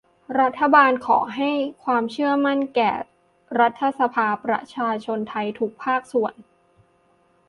รัฐบาลขอให้ความเชื่อมั่นแก่รัฐสภา ประชาชนไทยทุกภาคส่วน